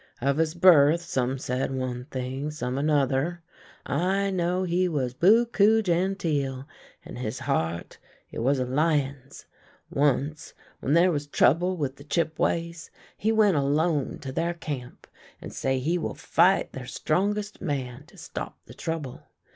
Of his birth some said one thing, some another ; I know he was beaucoup gcntU, and his heart, it was a lion's ! Once, when there was trouble with the Chipp' ways, he went alone to their camp, and say he will fight their strongest man, to stop the trouble.